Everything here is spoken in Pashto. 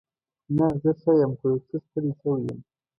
نه، زه ښه یم. خو یو څه ستړې شوې یم.